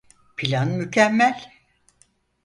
Plan mükemmel…